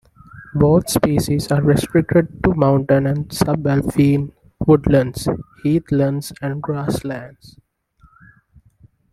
Both species are restricted to mountain and sub-alpine woodlands, heathlands and grasslands.